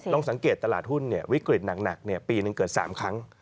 สังเกตตลาดหุ้นวิกฤตหนักปีหนึ่งเกิด๓ครั้ง